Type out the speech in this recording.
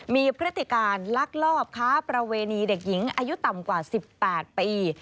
มีพฤติการลักลอบค้าประเวณีเด็กหญิงอายุต่ำกว่า๑๘ปี